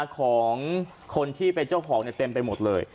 ของคนที่เป็นเจ้าของเต็มไปหมดเลย